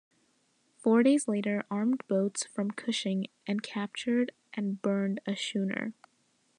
Four days later, armed boats from "Cushing" and captured and burned a schooner.